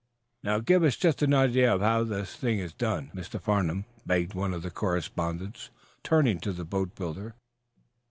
"Now, give us just an idea of how the thing is done, Mr. Farnum," begged one of the correspondents, turning to the boatbuilder.